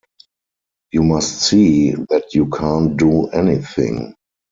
You must see that you can't do anything.